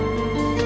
và cơ sở